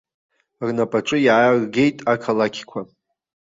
Рнапаҿы иааргеит ақалақьқәа.